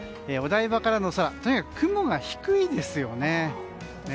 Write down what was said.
お台場からの空とにかく雲が低いですよね。